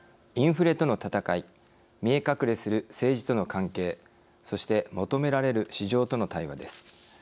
インフレとの戦い見え隠れする政治との関係そして求められる市場との対話です。